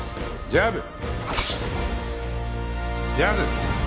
ジャブ！